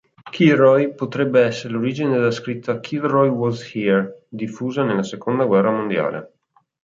Kilroy potrebbe essere l'origine della scritta "Kilroy was here" diffusa nella seconda guerra mondiale.